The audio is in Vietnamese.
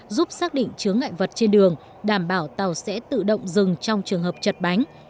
giúp xác định chứa ngại vật trên đường đảm bảo tàu sẽ tự động dừng trong trường hợp chật bánh